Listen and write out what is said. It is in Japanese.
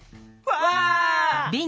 わあ！